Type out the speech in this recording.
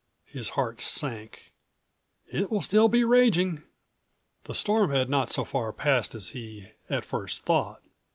His heart sank. "It will still be raging." The storm had not so far passed as he at first thought.